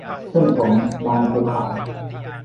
เส้นผมบังภูเขา